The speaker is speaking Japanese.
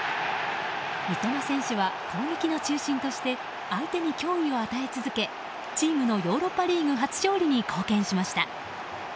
三笘選手は攻撃の中心として相手に脅威を与え続けチームのヨーロッパリーグ初勝利に貢献しました。